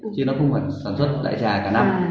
chứ nó không phải sản xuất đại trà cả năm